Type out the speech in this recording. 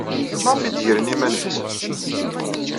Maɣef ay d-gren iman-nsen?